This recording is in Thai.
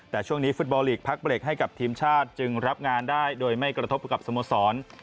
แต่ช่วงนี้ฟุตบอลลีกพักเบรกให้กับทีมชาติจึงรับงานได้โดยไม่กระทบกับสโมสร